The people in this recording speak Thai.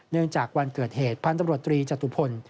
จากวันเกิดเหตุพันธุ์ตำรวจตรีจตุพล